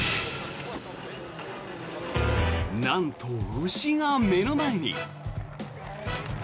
なんと、牛が目の前に。